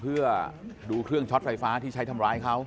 เพื่อดูเครื่องช็อตไฟฟ้าที่ใช้ทำร้ายเขา